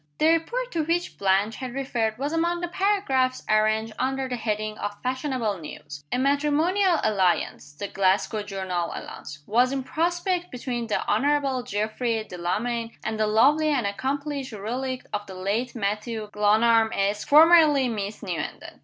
The report to which Blanche had referred was among the paragraphs arranged under the heading of "Fashionable News." "A matrimonial alliance" (the Glasgow journal announced) "was in prospect between the Honorable Geoffrey Delamayn and the lovely and accomplished relict of the late Mathew Glenarm, Esq., formerly Miss Newenden."